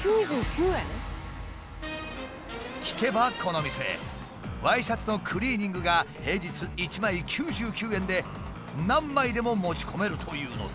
聞けばこの店ワイシャツのクリーニングが平日１枚９９円で何枚でも持ち込めるというのだ。